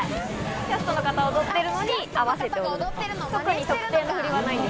キャストの方が踊ってるのに合わせて踊るんです。